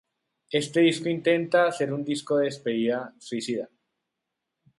Este disco intenta ser un disco de despedida "suicida".